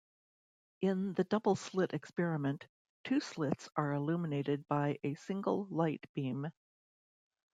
In the double-slit experiment, the two slits are illuminated by a single light beam.